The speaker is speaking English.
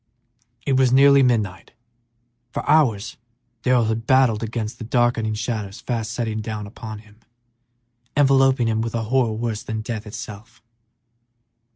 It was nearly midnight. For hours Darrell had battled against the darkening shadows fast settling down upon him, enveloping him with a horror worse than death itself.